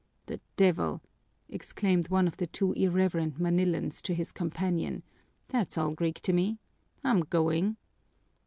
"The devil!" exclaimed one of the two irreverent Manilans to his companion. "That's all Greek to me. I'm going."